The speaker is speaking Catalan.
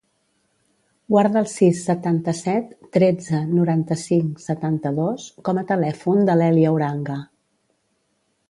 Guarda el sis, setanta-set, tretze, noranta-cinc, setanta-dos com a telèfon de l'Èlia Uranga.